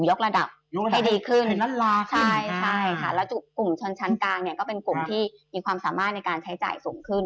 ระดับให้ดีขึ้นใช่ค่ะแล้วกลุ่มชนชั้นกลางเนี่ยก็เป็นกลุ่มที่มีความสามารถในการใช้จ่ายสูงขึ้น